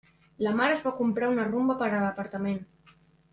La Mar es va comprar una Rumba per a l'apartament.